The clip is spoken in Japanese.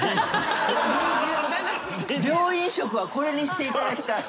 病院食はこれにしていただきたい。